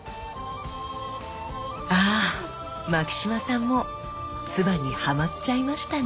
あぁ牧島さんも鐔にハマっちゃいましたね。